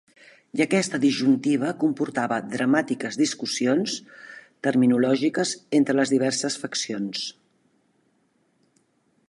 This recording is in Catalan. I aquesta disjuntiva comportava dramàtiques discussions terminològiques entre les diverses faccions.